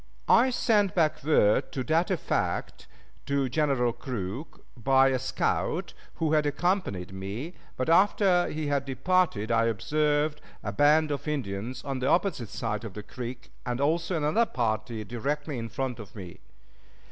I sent back word to that effect to General Crook by a scout who had accompanied me, but after he had departed I observed a band of Indians on the opposite side of the creek, and also another party directly in front of me.